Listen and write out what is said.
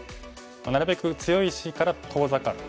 なるべく強い石から遠ざかる。